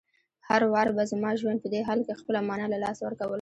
هر وار به زما ژوند په دې حال کې خپله مانا له لاسه ورکوله.